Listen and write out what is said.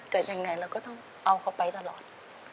แต่ยังไงเราก็ต้องเอาเขาไปตลอด